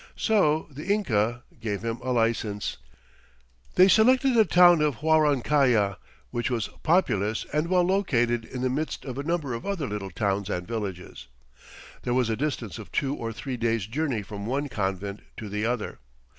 So the Inca gave him a license. They selected the town of Huarancalla, which was populous and well located in the midst of a number of other little towns and villages. There was a distance of two or three days journey from one Convent to the other.